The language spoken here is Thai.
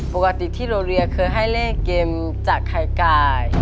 ปกติที่โรเรียเคยให้เล่นเกมจากคายกาย